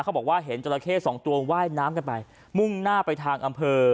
เขาบอกว่าเห็นจราเข้สองตัวว่ายน้ำกันไปมุ่งหน้าไปทางอำเภอ